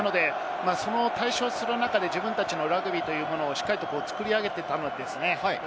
大勝する中で自分たちのラグビーというものをしっかり作り上げてきたんですよね。